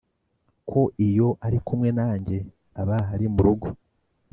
ko iyo ari kumwe nanjye, aba ari murugo